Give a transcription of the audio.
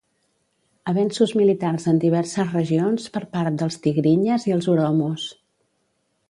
Avenços militars en diverses regions per part dels tigrinyes i els oromos.